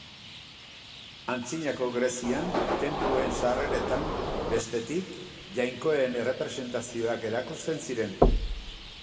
Antzinako Grezian, tenpluen sarreretan, bestetik, jainkoen errepresentazioak erakusten ziren.